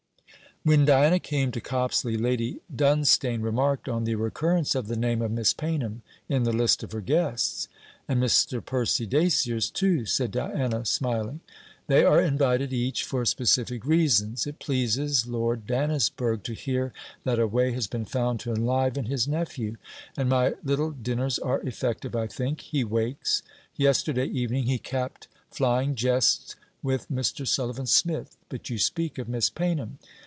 When Diana came to Copsley, Lady Dunstane remarked on the recurrence of the name of Miss Paynham in the list of her guests. 'And Mr. Percy Dacier's too,' said Diana, smiling. 'They are invited each for specific reasons. It pleases Lord Dannisburgh to hear that a way has been found to enliven his nephew; and my little dinners are effective, I think. He wakes. Yesterday evening he capped flying jests with Mr. Sullivan Smith. But you speak of Miss. Paynham.'